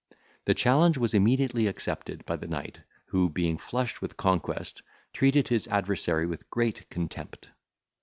The challenge was immediately accepted by the knight, who, being flushed with conquest, treated his adversary with great contempt.